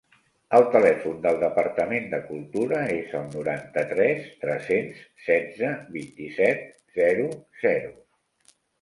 El telèfon del Departament de Cultura és el noranta-tres tres-cents setze vint-i-set zero zero.